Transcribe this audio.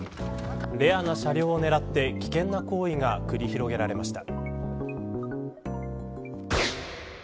レアな車両をねらって危険な行為が繰り広げられました。